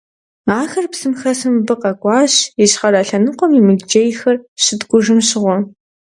Ахэр псым хэсу мыбы къэкӀуащ, ищхъэрэ лъэныкъуэм и мылджейхэр щыткӀужым щыгъуэ.